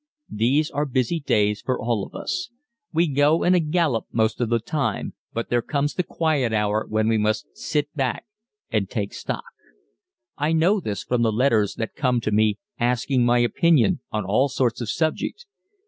These are busy days for all of us. We go in a gallop most of the time, but there comes the quiet hour when we must sit still and "take stock." I know this from the letters that come to me asking my opinion on all sorts of subjects.